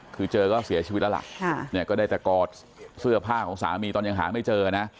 คือเจอก็เสียชีวิตแล้วล่ะก็ได้แต่กอดเสื้อผ้าของสามีตอนยังหาไม่เจอนะ